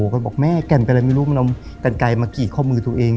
ก็บอกแม่แก่นเป็นอะไรไม่รู้มันเอากันไกลมากรีดข้อมือตัวเอง